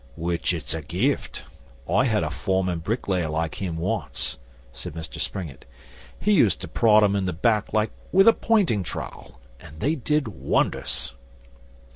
'Which it's a gift. I had a foreman bricklayer like him once,' said Mr Springett. 'He used to prod 'em in the back like with a pointing trowel, and they did wonders.